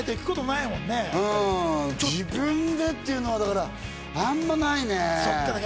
自分でっていうのは、あんまないね。